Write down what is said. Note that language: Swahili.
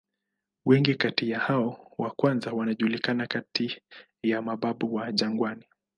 Wengi kati ya hao wa kwanza wanajulikana kati ya "mababu wa jangwani".